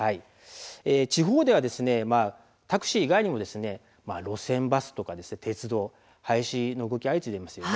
地方ではタクシー以外にも路線バスとか鉄道廃止の動き、相次いでいます。